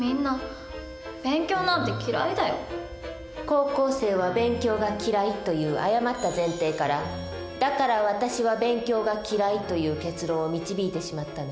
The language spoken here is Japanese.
「高校生は勉強が嫌い」という誤った前提から「だから私は勉強が嫌い」という結論を導いてしまったのよ。